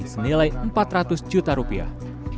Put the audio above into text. senilai empat ratus juta rupiah